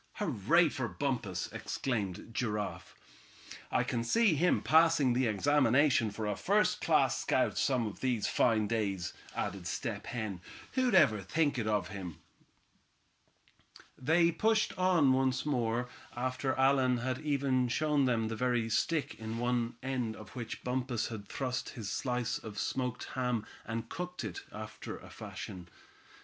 "Hurray for Bumpus!" exclaimed Giraffe. "I can see him passing the examination for a first class scout some of these fine days," added Step Hen. "Who'd ever think it of him?" They pushed on once more, after Allan had even shown them the very stick on one end of which Bumpus had thrust his slice of smoked ham, and cooked it, after a fashion.